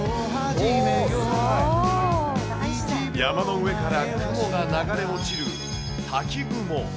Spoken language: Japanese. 山の上から雲が流れ落ちる滝雲。